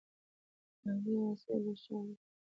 عادي او اصلي بشر وي.